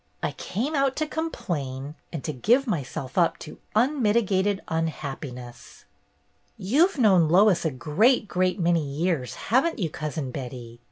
I came out to complain and to give myself up to unmitigated unhappiness." "You 've known Lois a great, great many years, have n't you. Cousin Betty